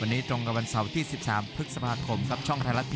น้องพี่พยักษ์คำพันธ์